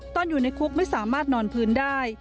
อยู่ในคุกไม่สามารถนอนพื้นได้